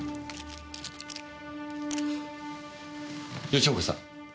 吉岡さん。